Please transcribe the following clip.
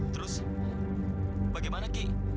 terus bagaimana ki